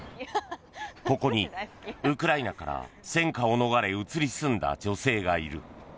ここに、ウクライナから戦火を逃れ移り住んだ女性がいる。